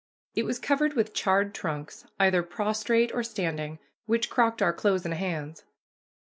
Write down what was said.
It was covered with charred trunks, either prostrate or standing, which crocked our clothes and hands.